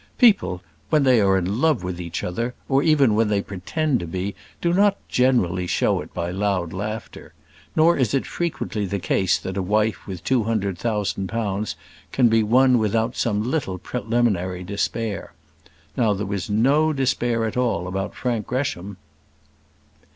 People, when they are in love with each other, or even when they pretend to be, do not generally show it by loud laughter. Nor is it frequently the case that a wife with two hundred thousand pounds can be won without some little preliminary despair. Now there was no despair at all about Frank Gresham.